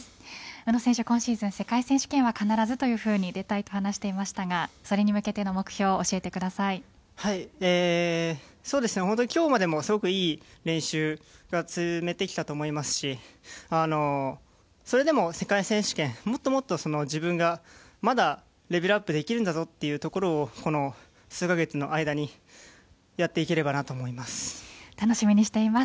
宇野選手、今シーズン世界選手権は必ずというふうに話していましたがそれに向けての今日までもすごいいい練習が積めてきたと思いますしそれでも世界選手権もっともっと自分がまだレベルアップできるんだぞというところをこの数カ月の間にやっていければと思います。